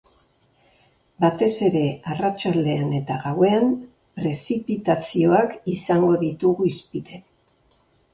Batez ere arratsaldean eta gauean, prezipitazioak izango ditugu hizpide.